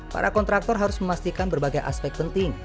para kontraktor harus memastikan berbagai aspek penting